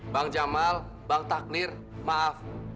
bang jamal bang taknir maaf